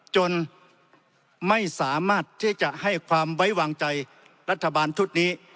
จนไม่สามารถที่จะให้ความไว้วางใจรัฐบาลชุดนี้